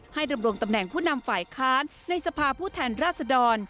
ดำรงตำแหน่งผู้นำฝ่ายค้านในสภาผู้แทนราชดร